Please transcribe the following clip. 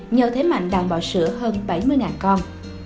nhờ thế mạnh đảm bảo sửa hơn bảy mươi con